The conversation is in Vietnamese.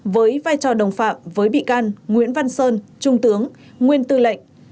với vai trò đồng phạm với bị can nguyễn văn sơn trung tướng nguyên tư lệnh